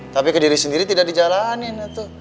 tapi ke diri sendiri tidak dijalanin